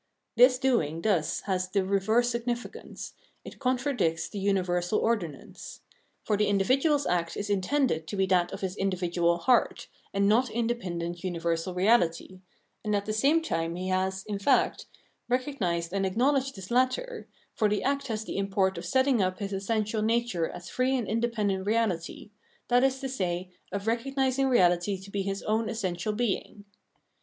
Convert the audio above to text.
This doing thus has the reverse significance ; it contra dicts the universal ordinance. For the individual's act is intended to be that of his individual heart, and not independent universal reality ; and at the same time he has, in fact, recognised and acknowledged this latter, for the act has the import of setting up his essential The Law of the Heart 361 nature as free and independent reality, that is to say, of recognising reality to be his own essential being.